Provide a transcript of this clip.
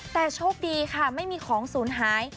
แต่โชคดีค่ะไม่มีของศูนย์หาย